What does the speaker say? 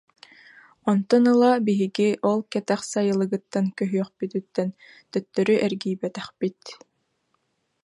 Онтон ыла биһиги ол Кэтэх Сайылыгыттан көһүөхпүтүттэн төттөрү эргийбэтэхпит